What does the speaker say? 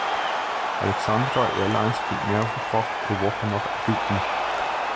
Alexandria Airlines fliegt mehrfach pro Woche nach Ägypten.